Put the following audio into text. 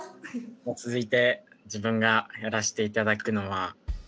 続いて自分がやらしていただくのは。